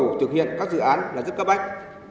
bộ thực hiện các dự án là rất cấp ách